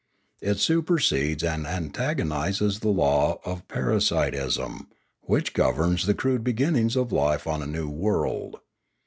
It supersedes and antagonises the law of parasitism, which governs the crude beginnings of life on a new world.